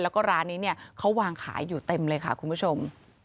แล้วก็ร้านนี้เนี่ยเขาวางขายอยู่เต็มเลยค่ะคุณผู้ชม